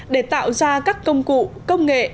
để tạo ra các công cụ công nghệ